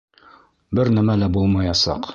Бер нәмә лә булмаясаҡ.